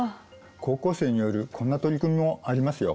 高校生によるこんな取り組みもありますよ。